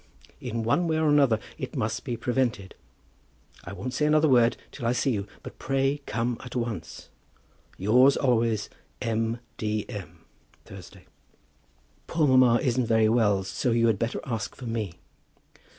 In one way or another it must be prevented. I won't say another word till I see you, but pray come at once. Yours always, M. D. M. Thursday. Poor mamma isn't very well, so you had better ask for me.